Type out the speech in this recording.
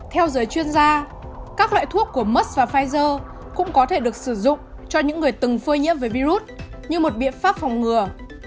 theo giới chuyên gia các loại thuốc của mus và pfizer cũng có thể được sử dụng cho những người từng phơi nhiễm với virus như một biện pháp phòng ngừa